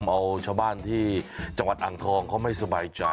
เอาชาวบ้านที่จังหวัดอ่างทองเขาไม่สบายใจ